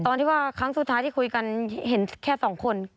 ตอนที่ว่าครั้งสุดท้ายที่คุยกันเห็นแค่สองคน